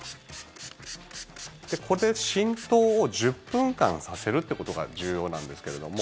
ここで浸透を１０分間させるということが重要なんですけれども。